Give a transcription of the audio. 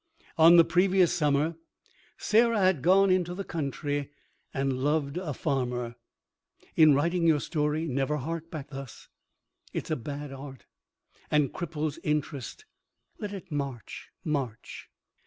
On the previous summer Sarah had gone into the country and loved a farmer. (In writing your story never hark back thus. It is bad art, and cripples interest. Let it march, march.)